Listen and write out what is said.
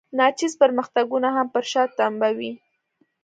ناچیز پرمختګونه هم پر شا تمبوي.